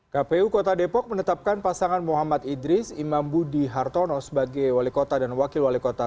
kpu kota depok menetapkan pasangan muhammad idris imam budi hartono sebagai wali kota dan wakil wali kota